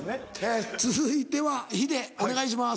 続いてはヒデお願いします。